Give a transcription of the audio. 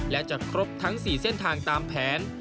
และจะครบทั้ง๔เส้นทางตามแผน